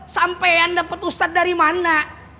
sampaian dapet ustad dari mana